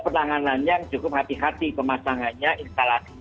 penanganan yang cukup hati hati pemasangannya instalasi